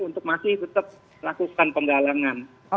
untuk masih tetap lakukan penggalangan